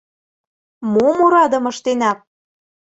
– Мом орадым ыштенат?